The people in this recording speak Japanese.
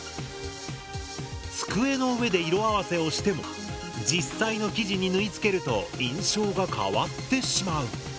机の上で色合わせをしても実際の生地に縫いつけると印象が変わってしまう。